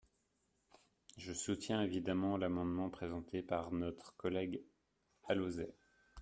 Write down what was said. Je soutiens, évidemment, l’amendement présenté par notre collègue Alauzet.